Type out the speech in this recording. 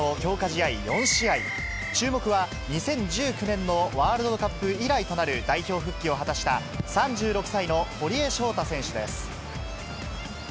試合４試合、注目は２０１９年のワールドカップ以来となる代表復帰を果たした３６歳の堀江翔太選手です。